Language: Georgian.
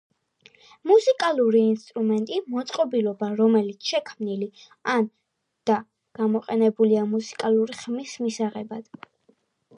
მუსიკალური ინსტრუმენტი მოწყობილობა რომელიც შექმნილი ან და გამოყენებულია მუსიკალური ხმის მისაღებად.